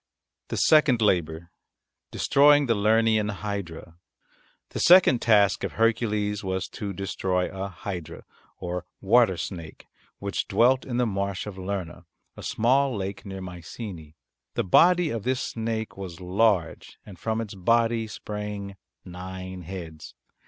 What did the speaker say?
THE SECOND LABOUR DESTROYING THE LERNEAN HYDRA The second task of Hercules was to destroy a hydra or water snake which dwelt in the marsh of Lerna, a small lake near Mycenae. The body of this snake was large and from its body sprang nine heads.